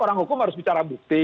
orang hukum harus bicara bukti